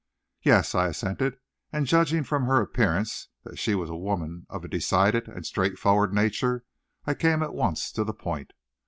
"Yes," I assented, and judging from her appearance that she was a woman of a decided and straightforward nature I came at once to the point.